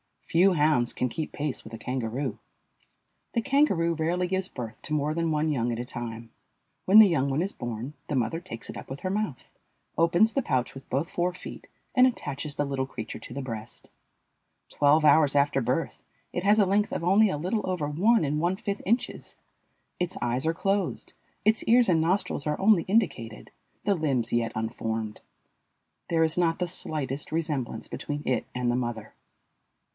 Few hounds can keep pace with a kangaroo. The kangaroo rarely gives birth to more than one young at a time. When the young one is born the mother takes it up with her mouth, opens the pouch with both fore feet, and attaches the little creature to the breast. Twelve hours after birth it has a length of only a little over one and one fifth inches. Its eyes are closed, its ears and nostrils are only indicated, the limbs yet unformed. There is not the slightest resemblance between it and the mother.